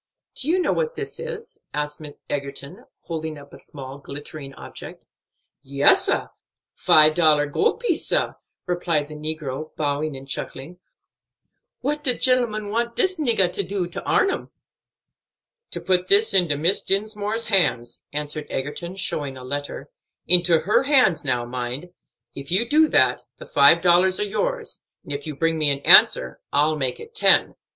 "Do you know what this is?" asked Egerton, holding up a small glittering object. "Yes, sah; five dollar gold piece, sah," replied the negro, bowing and chuckling. "What de gentleman want dis niggah do for to arn 'em?" "To put this into Miss Dinsmore's hands," answered Egerton, showing a letter; "into her own hands, now, mind. If you do that, the five dollars are yours; and if you bring me an answer, I'll make it ten.